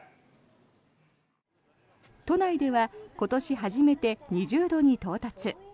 都内では今年初めて２０度に到達。